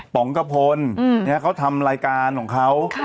ป๋องกระพลเขาทำรายการของเขา